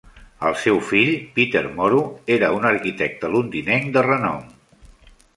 El seu fill, Peter Moro, era un arquitecte londinenc de renom.